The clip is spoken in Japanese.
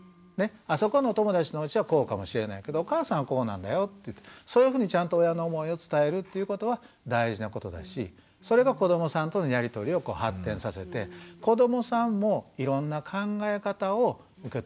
あそこのお友達のうちはこうかもしれないけどお母さんはこうなんだよってそういうふうにちゃんと親の思いを伝えるっていうことは大事なことだしそれが子どもさんとのやり取りを発展させて子どもさんもいろんな考え方を受け止めようとするようにねっ。